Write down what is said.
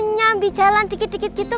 nyambi jalan dikit dikit gitu